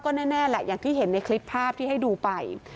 แน่แหละอย่างที่เห็นในคลิปภาพที่ให้ดูไป